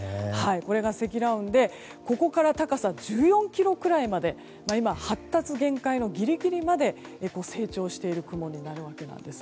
これが積乱雲で、ここから高さ１４ｋｍくらいまで、今発達限界のギリギリまで成長している雲になるわけなんです。